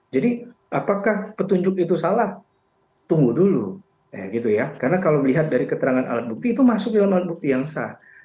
jadi apakah petunjuk itu salah tunggu dulu karena kalau melihat dari keterangan alat bukti itu masuk dalam alat bukti yang sah